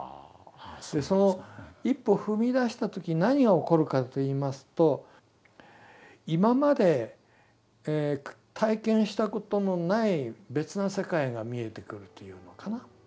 その一歩踏み出した時何が起こるかといいますと今まで体験したことのない別な世界が見えてくるというのかな。